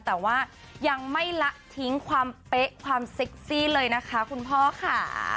แต่ว่ายังไม่ละทิ้งความเป๊ะความเซ็กซี่เลยนะคะคุณพ่อค่ะ